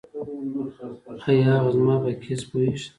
ایا هغه زما په کیس پوهیږي؟